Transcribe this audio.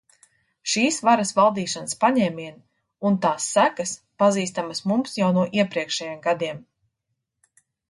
Šīs varas valdīšanas paņēmieni un tās sekas pazīstamas mums jau no iepriekšējiem gadiem.